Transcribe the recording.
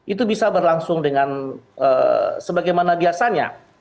itu bisa berlangsung dengan sebagaimana biasanya